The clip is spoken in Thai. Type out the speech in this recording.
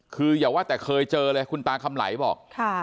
คืออย่าว่าแต่เคยเจอเลยคุณตาคำไหลบอก